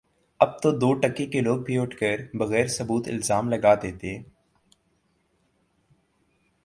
اب تو دو ٹکے کے لوگ بھی اٹھ کر بغیر ثبوت الزام لگا دیتے